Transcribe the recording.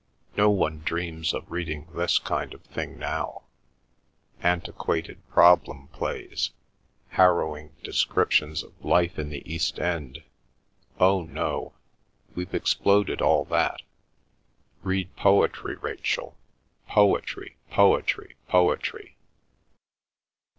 No one dreams of reading this kind of thing now—antiquated problem plays, harrowing descriptions of life in the east end—oh, no, we've exploded all that. Read poetry, Rachel, poetry, poetry, poetry!"